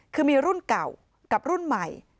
คือมีรุ่นเก่ากับรุ่นใหม่